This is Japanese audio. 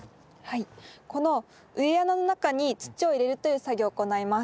この植え穴の中に土を入れるという作業を行います。